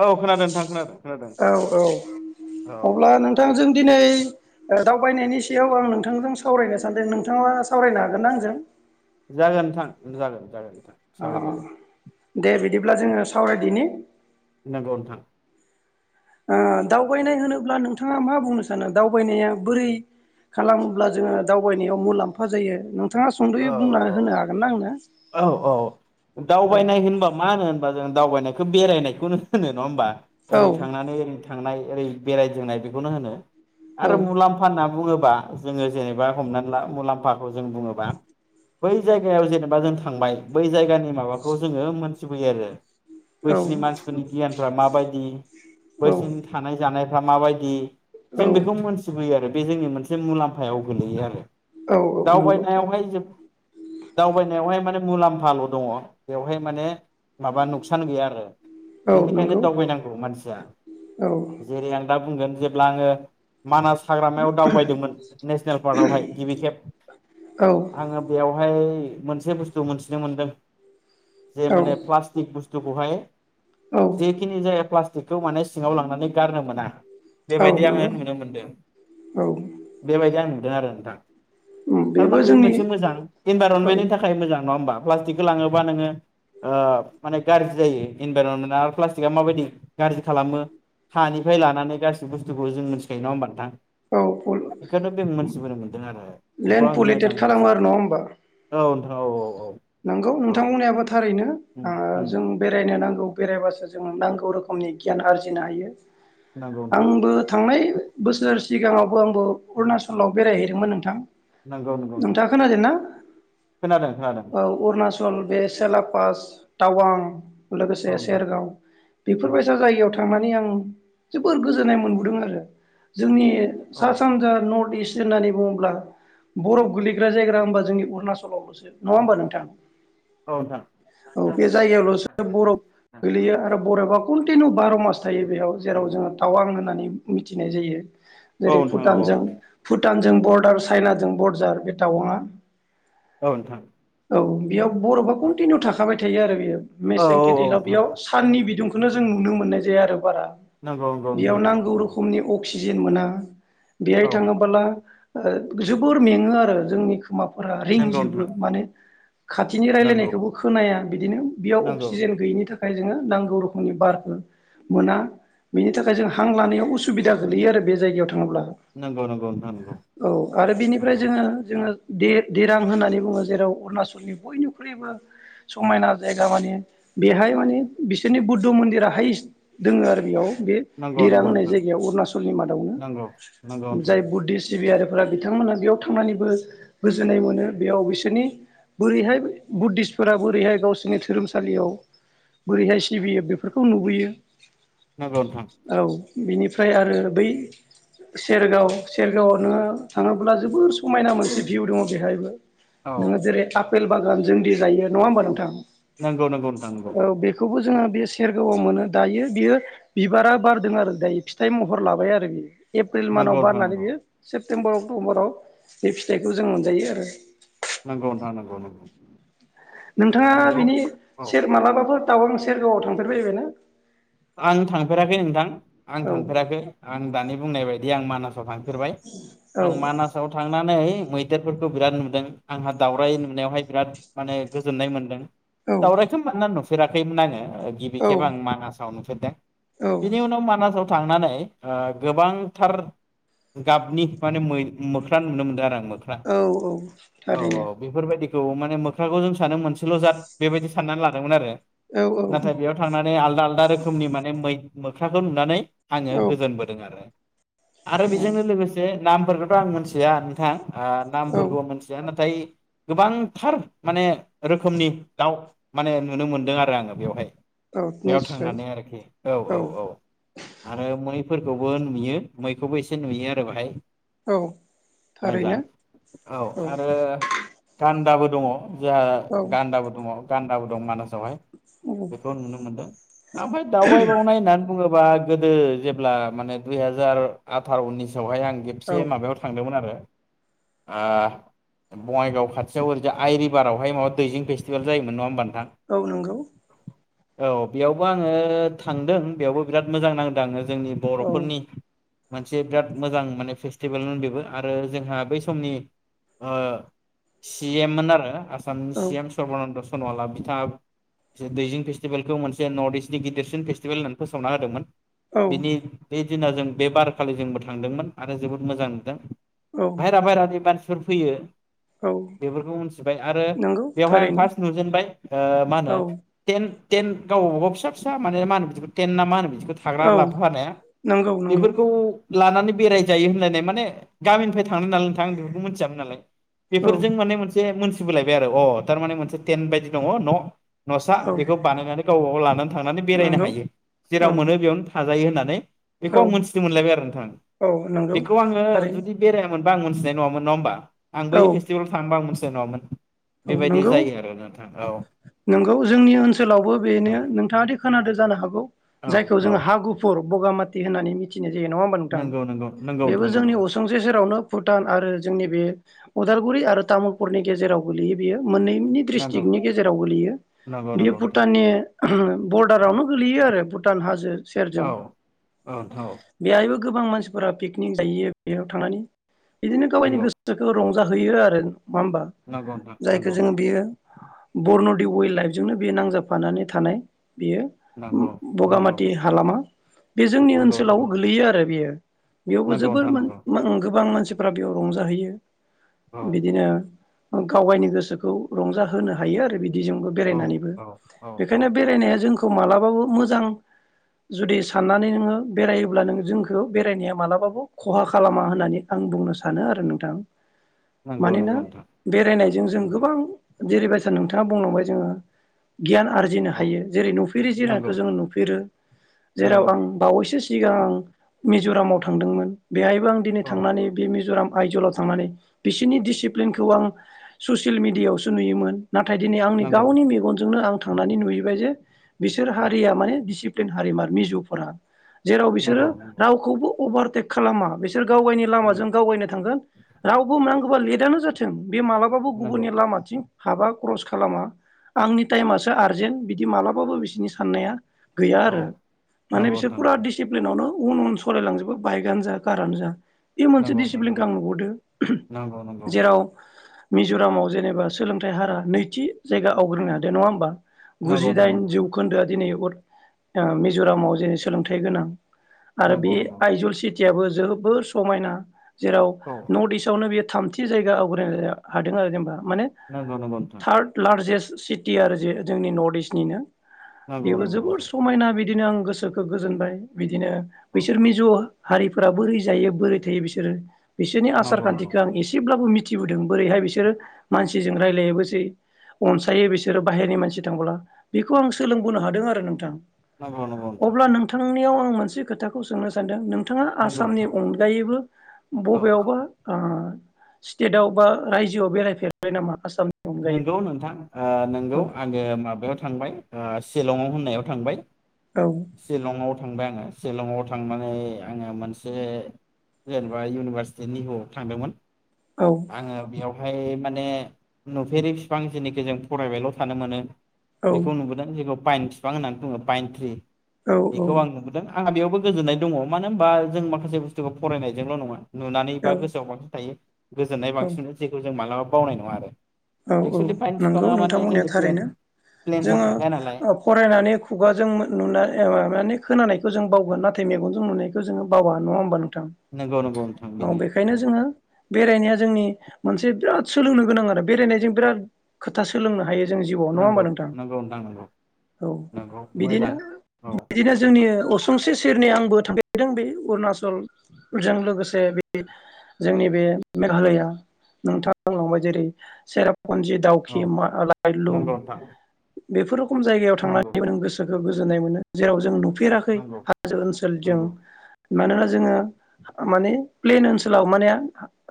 औ खोनादों नोंथां खोनादों खोनादों औ औ औ अब्ला नोंथांजों दिनै दावबायनायनि सायाव आं नोंथांजों सावरायनो सानदों नोंथाङा सावरायनो हागोनना आंजों? जागोन नोंथां जागोन जागोन। नोंथां ओ सावरायजागोन दे बिदिब्ला जोङो सावरायदिनि। नंगौ नोंथां ओ दावबायनाय होनोब्ला नोंथाङा मा बुंनो सानो दावबायनाया बोरै खालामोब्ला जोङो दावबायनायाव मुलाम्फा जायो नों थाङा सुंद'यै बुंनानै होनो हागोन ना आंनो? औ औ औ दावबायनाय होनबा मा होनो होनबा जों दावबायनायखौ बेरायनायखौनो होनो नङा होमबा? औ ओरै थांनानै ओरै थांनाय ओरै बेरायदोंनाय बेखौनो होनो। औ आरो मुलाम्फा होनना बुङोबा जोङो जेनेबा हमनानै मुलाम्फाखौ जों बुङोबा बै जायगायाव जेनेबा जों थांबाय बै जायगानि माबाखौ जोङो मोन बोयो आरो औ बैसोनि मानसिफोरनि गियानफ्रा माबायदि औ बैसोनि थानाय जानाय फ्रा माबायदि औ जों बेखौ मोनथिबोयो आरो बे जोंनि मोनसे मुलाम्फा सायाव गोलैयो आरो। औ नंगौ दावबायनायावहाय जोब दावबायनायावहाय माने मुलाम्फाल' दङ बेवहाय माने माबा नुगसान गैया आरो। औ बेनिखायनो नंगौ दावबायनांगौ मानसिया औ जेरै आं दा बुंगोन जेब्ला आङो मानास हाग्रामायाव दावबायदोंमोन नेसनेल पार्कआवहाय गिबि खेब औ आङो बेयावहाय। मोनसे बुस्थु मोनथिनो मोन्दों। जे औ माने प्लास्टिक बुस्थुखौहाय औ जेखिनि जाया ब्ला बेखौ माने सिङाव लांनानै गारनो मोना। औ बेबायदि आङो नंगौ नुनो मोनदों औ बेबायदि आं नुदों। नुदों आरो नोंथां। उम बेबो थारमाने बे जोंनि मोनसे मोजां औ इनभाइरनमेन्टनि थाखाय मोजां। नङा होमबा प्लास्टिकखौ लाङोबा नोङो ओ माने गाज्रि जायो इनभाइरनमेन्टआ प्लास्टिकआ माबायदि गाज्रि खालामो हानिफ्राय लानानै गासिबो बुस्थुखौ जों मिथिखायो नङा होमबा नोंथां। औ बेखौायथ' बे मानसिफोर मोनदों आरो बेखौ लेन्ड आं पलिउटेड मोजां मानसि खालामो आरो नङा होमबा औ। औ औ औ नंगौ औ नोंथां बुंनायाबो थारैनो उम उम जों बेरायनो नांगौ। बेरायबासो जों नांगौ रोखोमनि गियान आरजिनो हायो। नंगौ नोंथां आंबो थांनाय बोसोर सिगाङावबो आंबो अरुणचलाव बेरायहैदोंमोन नोंथां। नंगौ नंगौ नोंथां नोंथांङा खोनादों ना? खोनादों खोनादों। औ अरुणाचल बे सेलापास टावां। लोगोसे औ नोंथां सेरगाव औ बेफोरबायसा जायगायाव थांनानै आं। जोबोर गोजोननाय मोनबोदों आरो जोंनि औ सा सानजा नरत इसत होननानै बुङोब्ला बरफ गोलैग्रा जायगा होनबा जोंनि अरुणचलाव। नङा होमबा नोंथां। औ नोंथां। औ बे जायगायावलसो बरफ गोलैयो आरो बरबा कन्टिनिउ बार' मास थायो बेयाव जेराव जोङो टावां होननानै। मिथिनाय जायो। औ जेरै नोंथां औ भुटानजों भुत भुटानजों बरडार चाइनाजों बरडार बे टावाङआ। औ नोथां। औ बेयाव। बरबा कन्टिनिउ थाखाबाय। थायो आरो बियो औ मेसें औ केटलाव बेयाव साननि बिदुंखौ। बेखौनो जों नुनो मोननाय जाया आरो बारा। बेयाव नोंथां नांगौ रोखोमनि अ अक्सिजेन मोना बेहाय औ थाङोबला जोबोर मेङो आरो जोंनि खुमाफोरा नंगौ रिंजोबो। नोंथां [unintelligible] खाथिनि रायलायनायखौबो खोनाया बिदिनो बेयाव नंगौ औ अक्सिजेन गैयिनि थाखाय थाखाय जोङो नांगौ रोखोमनि बारफोर मोना बेनि थाखाय जों हां लानायाव उसुबिदा गोलैयो आरो बे जायगायाव। थाङोब्ला नंगौ नोंथां नंगौ नोंथां औ आरो बेनिफ्राय जोङो जोङो दि-दिरां होननानै बुङो। जेराव अरुणाचलनि बयनिख्रुइबो समायना जायगा मानि बेहाय माने बिसोरनि बुद्ध मन्दिरा हायेस्ट दङ आरो बेयाव। बे नंगौ नंगौ दिरां होननाय नोंथां जायगायाव अरुणाचलनि मादावनो नंगौ नंगौ नोंथां जाय बुद्धिसट सिबियारिफोरा बिथांमोनहा बेयाव थांनानैबो गोजोननाय मोनो बेयाव बिसो बिसोरनि बोरैहाय बुद्धिसतफोरा बोरैहाय गावसोरनि धोरोमसालियाव बोरैहाय सिबियो बेफोरखौ नुबोयो। नंगौ नोंथां। औ बिनिफ्राय आरो बै सेरगाव सेरगावआव नोङो थाङोब्ला जोबोर समायना मोनसे भिउ दङ बेहायबो। औ नों जेरै [unintelligible] आपेल बागान जों दि जायो नङा होमबा नोंथां? नंगौ नंगौ नोंथां नंगौ। जोंहा बे सेरगावआव मोनो दायो बेयो बिबारा बारदों आरो दायो फिथाइ महर लाबाय आरो बेयो। एप्रिल मानाव नंगौ नंगौ बारनानै नोंथां बियो सेप्तेम्बर अक्ट'बराव बे फिथाइखौ जों मोनजायो आरो। नंगौ नंगौ नोंथां नंगौ नोंथाङा नंगौ बिनि औ सेर मालाबाफोर सेरगावआव थांफेरबाय बाय ना? आं थांफेराखै नोंथां। आं औ थांफेराखै आं। आं दानि बुंनाय बायदि आं मानास थांफेरबाय औ आं मानासाव थांनानै मैदेरफोर खौ बिराद नुदों आंहा दावराय नुनायावहाय बिराद माने गोजोननाय मोनदों। औ दावरायखौ [unintelligible] नुफेराखैमोन आङो। ओ गिबि औ खेब आं मानास आव नुफेरदों। औ बिनि उनाव मानासाव थांनानै ओ गोबांथार गाबनि माने मै मोख्रा नुनो मोनदों आरो। आं मोख्रा औ औ थारैनो। खौ माने मोख्राखौ जों सानो मोनसेल' जाद बेबायदि साननानै लादोंमोन आरो। औ नाथाय बेयाव थांनानै नै आलदा आलदा लदा रोखोमनि माने मै मोख्राखौ नुनानै आङो औ गोजोनबोदों आरो। आरो औ बेजोंनो लोगोसे नामफोरखौथ' आं मिथिया नोंथां। ओ औ नामफोरखौ मिथिया ना नाथाय गोबांथार माने रोखोमनि दाउ माने नुनो मोनदों आरो आङो बेवहाय औ बेयाव निस थांनानै आरोखि औ औ औ आरो फोरखौबो नुयो मैखौबो एसे नुयो आरो बोहाय। औ मोजां थारैनो औ आरो दाबो दङ जोंहा औ गानदाबो दङ। गान्दाबो दं मानास वहाय बेखौ नुनो मोनदों। ओमफाय दावबाय बावनाय होननानै बुङोब गोदो जेब्ला माने दुइ हाजार आथार' उनिस फसावहाय आं औ खेबसे माबायाव थांदोंमोन आरो। ओ बङाइगाव खाथियाव ओरैज आइरिभारावहाय माबा दैजिं फेस्टिभेल जायोमोन नङा होमबा नों औ नंगौ। औ बेयावबो आङो थांदों बेयावबो बिराद मोजां नांदों आङो। जोंनि औ बर'फोरनि मोनसे बिराद मोजां माने फेस्टिभेलमोन बेबो आरो जोंहा बै समनि सिएममोन आरो म औ सानसियम सर्बानन्द सनवला बिथाङा दैजिं फेस्टिभेलखौ मोनसे नर्थ इस्टनि गिदिरसिन फेटिभेल होननानै फोसावना होदोंमोन। औ बेनि बे दिना जों बे बारखालि जोंबो थांदोंमोन आरो जोबोद मोजां नुदों। औ बायहारा बायहारानि मानसि सोर फैयो। औ बेफोरखौ मिथिबाय आरो नंगौ बेवहाय आं थारैनो फार्स्ट नुजेनबाय मा होनो औ टेन टेन गावबाव फिसा फिसा मा मा होनो बिखौ होनो बिदिखौ थाग्रा औ लाबोफआनाया नंगौ नंगौ बेफोरखौ लानानै बेराय जायो होनलायनाय माने गामिनिफ्राय थांनो नालाय नोंथां आं बेबो मिथियामोन नालाय। औ बेफोरजों माने मोनसे मोनस सिबिलायबाय आरो अ थारमाने मोनसे टेन बायदि दङ न'। न'सा औ बेखौ बानायनानै गावबा गाव लादोन थांनानै बेरायनो नंगौ हायो औ जेराव मोनो बेयावनो जायो होननानै बेखौ औ आं मोनथिदों मोनलायबाय आरो नोंथां औ नंगौ बेखौ आंङो थारैनो जुदि बेरायामोन बा आं मोनथिनाय नंङा होनबा। आं बै औ फेस्टिभेलाव थांबा मोनस मिथिनाय नंङा मोन। औ नंगौ नंगौ जोंनि ओनसोलावबो औ बेनो नोंथाङादि खोनादों जानो हागौ औ जायखौ औ जोंङो हागुफुर बगामाथि होननानै मिथि जे नंङा होमबा नोंथां नंगौ नंगौ नंगौ बेबो नोंथां नंगौ जोंनि असुंसे सेरावनो भुटान आरो जोंनि बे अदालगुरि आरो तामुलपुरनि गेजेराव गलैयो बियो। मोननैनि नंगौ ड्रिस्ट्रिक्टनि गेजेराव गोलैयो नंगौ बियो नंगौ नोंथां भुटाननि बरडारावनो गोलैयो आरो भुटान हाजो। औ सेरजं औ नोंथां औ बेहायबो गोबां मानसिफोरा पिकनिक जाहैयो बेयाव थांनानै बिदिनो गावगायनि नंगौ गोसोखौ रं जा होयो आरो। नंङा होमबा? नंगौ नोंथां जायखौ नंगौ जोंङो बियो बरनदि वाइल्ड लाइफजोंनो बे नांजाबफानानै थानाय। बियो उम नंगौ बगामाथि हालामा। बे जोंनि नंगौ नंगौ ओनसोलाव गोलैयो आरो बेयो। बेयावबो नंगौ जोबोर नोंथां मोन नंगौ मो गोबां मानसि फोरा बेयाव रंजाहैयो। औ बिदिनो ओ गाव गायनि गोसोखौ रंजाहोनो हायो आरो बिब दिजोंबो औ बेरायनानैबो औ औ औ बेखायनो औ बेरायनाया जोंखौ मा ला बाबो मोजां जुदि साननानै नोङो बेरायोब्ला नों जोंखौ बेरायनाया मालाबाबो खहा खालामा होननानै आं बुंनो सानो आरो नोंथां। नंगौ मानोना नंगौ नोंथां। बेरायनायजों जों नंगौ गोबां जेरैबायसा नोंथाङा बुंनांबाय जोङो गियान आरजिनो औ हायो। जेरै नुफेरि नंगौ जिरादखौ जोङो नुफेरो जेराव नंगौ आं बावैसो सिगां आं मिज'रामाव थांदोंमोन। बेहायबो आं दिनै औ थांनानै बे मिज'राम आय'जलाव थांनानै बिसिनि डिसिप्लिनख खौ आं ससियेल मिडियावसो नुयोमोन। नाथाय दिनै आंनि नंगौ गावनि मेगनजोंनो आं थांनानै नुहैबाय जे बिसोर औ हारिया माने दिसि प्लिन हारिमार मिजु'फोरा जेराव बिसोरो नंगौ नंगौ रावखौबो अभार टेक खालामा बेस सोर गावगायनि उम लामाजों गावगायनो थांगोन रावबो नांगौबा लेट दानो जाथ थों बे मालाबाबो नंगौ गुबुननि लामाथिं हाबा क्रस खालामा आंनि टायमासो आरजेन्ट बिदि मालाबाबो बिसिनि साननाया गैया औ आरो माने नंगौ बिसोर नोंथां फुरा डिसिप्लिनावनो उन उन सालायलांजोबो बाइकआनो जा कारानो जा बे मोनसे नंगौ नंगौ डिसिप्लिनखौ आं नुबोदों नोंथां जेराव मिज'रामाव जेनेबा सोलोंथाइ हारा नैथि जायगा आवग्रिनो हादो नङा होमबा? नंगौ नंगौ नोंथां गुजिदाइन जौखोन्दोआ दिनै अद ओ मिज'रामाव जेरै सोलोंथाइ गोनां आरो बे नंगौ नंगौ नोंथां नंगौ आइजल सिटि याबो जोबोर समायना। जेराव औ नर्थ इस्टआवनो बेयो थामथि जायगा आव ग्रिनो हादों आरो जेनबा। माने नंगौ नंगौ नोंथां थार्ड लार्जेस्ट सिटि आरो जे जोंनि नर्थ इस्टनिनो नंगौ बेबो नंगौ जबोर नोंथां समायना बिदि बिदिनो आं गोसोखौ गोजोनबाय बिदि बिदिनो औ बैसोर मिज' हारिफोरा बोरै जायो बोरै थायो बिसोरो बिसोरनि आसार नंगौ नंगौ खान्थिखौ आं एसेब्लाबो मि थिबोदों बोरैहाय बिसोरो मानसिजों रायलायोबोसै अनसायो बिसोरो बाहेरनि मानसि थांबोला बेखौ आं सोलोंबोनो हादों आरो नोंथां। नंगौ नंगौ नोंथां आंनियाव आं मोनसे खोथाखौ सोंनो सानदों नों नोंथाङा नंगौ आसामनि नोंथां अनगायैबो औ बबेयावबा ओ स्टेटआव बा रायजोआव बेरायफेरबाय नामा आसामनि अनगायै नंगौ नोंथां ओ नंगौ औ आङो माबायाव थांबाय। ओ शिलंआव होननायाव थांबाय। औ सिलंआव थांबाय आङो। शलंआव थांनानै आङो मोनसे जेनेबा इउनिभारसिटि निहुआव थांदोंमोन। औ आङो बेयाव है माने नुफेरि बिफां जिनिखि जों फरायबायल' थानो मोनो। बेखौ औ नुबोदों जेरै बाइन बिफां होननानै बुङो बाइन थ्रि। बेखौ आं औ नुबोदों। आंहा बेयावबो गोजोननाय दङ मानो होनबा जों माखासे बुस्थुखौ फरायनायजोंल' नङा। नुनानै बा गोसोआव बांसिन थायो। गोजोन्नाय औ बांसिनो जेखौ जों मालाब बावनाय नङा आरो औ औ एक्सुेलि पाइन नंगौ बिफाङा नोंथां माने बुंनाया जोंनि प्लेन थारैनो प्लेन्सआव जोङो थाखाया नालाय ओ फरायनानै खुगाजों नु माने खोनानायखौ जों बावगोन नाथ थाय मेगनजों नुखौ जो बावा नङा ओमबा नों नंगौ नंगौ नोंथां बेनो बेनो जोङो बेरायनाया जोंनि मोनसे बिराद सोलोंनो गोनां आरो बेरायनायजों बिराद खोथा सोलोंनो हायो। जों जिउआव नङा ओमबा नंगौ नोंथां नंगौ नोंथां नंगौ औ नंगौ बिदिनो मोजां औ बिदिनो जोंनि अस संसे सेरनि आंबो थांफेरदों बे अरुणाचलजों लोगोसे बे जोंनि बे मेघालया नोंथाङा बुंलांबाय जेरै सेराप फुनजि दाावखि औ मालायलुम नंगौ नोंथां बेफोर खम जायगायाव नंगौ थांनानै गोसोखौ गोजोनाय मोनो जेराव जों फेराखै नंगौ हाजो ओनसोलजों नंगौ मानोना जोङो माने प्लेन ओनसोलाव माने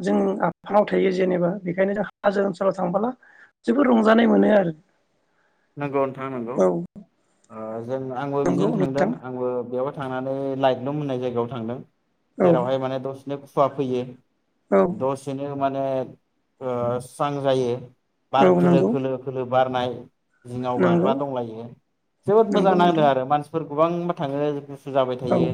जों आफाङाव थायो जेनेबा बेखायनो जों हाजो ओनसो थांबोला जोबोद रंजानाय मोनो आरो नंगौ नोंथां नंगौ। औ ओज जों आंबो नंगौ बिदिनो थांदों नोंथां आंबो बेयावहाय थांनानै लाइटलुम' होननाय जायगायाव थांदों। औ जेरावहाय माने द बिदिनो खुवा फैयो। औ दसेनो माने ओ स्रां जायो। बार औ खोलो नंगौ खोलो खोलो बारनाय जिङाव नंगौ गाग्रा दंलायो। जोबोद मोजां नंगौ नांदों नोंथां आरो मानसिफोर गोबांबा थाङो जाबाय औ औ थायो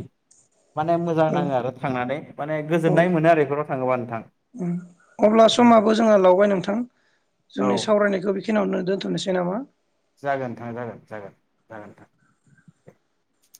माने मोजां नाङो आरो थांनानै माने औ ओ गोजोननाय मोनो आरो बेफोराव थाङोबा नोंथां अब्ला समाबो जोंहा लावबाय नोंथां औ जोंनि सावरायनायखौ बेखिनियावनो दोनथ'नोसै नामा? जागोन नोंथां जागोन जोगोन जागोन नोंथां।